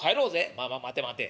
「まあまあ待て待て。